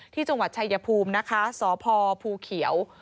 ที่จังหวัดชายภูมินะคะสพภูเขียว